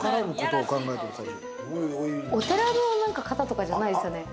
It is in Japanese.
お寺の方とかじゃないですよね？